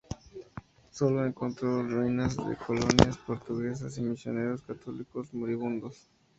Sólo encontró ruinas de colonias portuguesas y misioneros católicos moribundos.